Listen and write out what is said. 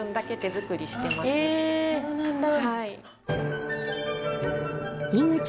えそうなんだ。